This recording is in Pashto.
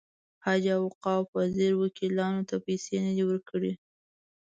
حج او اوقاف وزیر وکیلانو ته پیسې نه دي ورکړې.